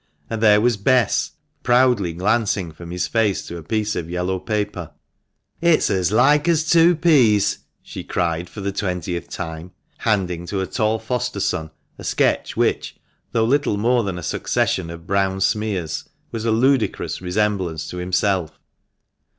And there was Bess, proudly glancing from his face to a piece of yellow paper. " It's EE 418 THE MANCHESTER MAN. as like as two peas," she cried for the twentieth time, handing to her tall foster son a sketch which, though little more than a succession of brown smears, was a ludicrous resemblance to himself.